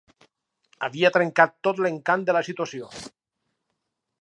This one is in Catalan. Havia trencat tot l'encant de la situació.